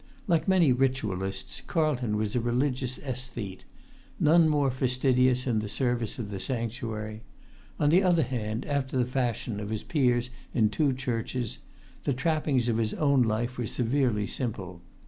Like many ritualists, Carlton was a religious æsthete; none more fastidious in the service of the sanctuary; on the other[Pg 19] hand, after the fashion of his peers in two Churches, the trappings of his own life were severely simple.